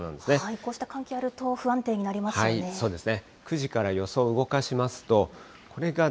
こうした寒気あると不安定になりますよね。